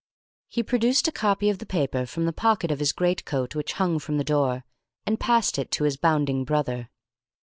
He produced a copy of the paper from the pocket of his great coat which hung from the door, and passed it to his bounding brother.